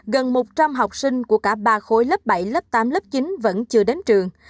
gần một trăm linh học sinh của cả ba khối lớp bảy lớp tám lớp chín vẫn chưa đến trường